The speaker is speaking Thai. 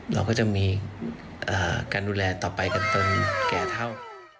เราก็จะมีการดูแลต่อไปกันตนแก่เท่า